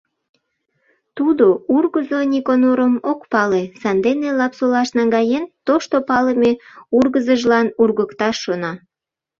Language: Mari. Тудо ургызо Никонорым ок пале, сандене Лапсолаш наҥгаен, тошто палыме ургызыжлан ургыкташ шона.